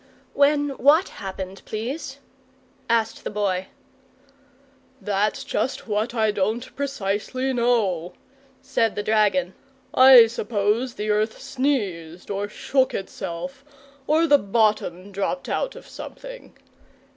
"When WHAT happened, please?" asked the Boy. "That's just what I don't precisely know," said the dragon. "I suppose the earth sneezed, or shook itself, or the bottom dropped out of something.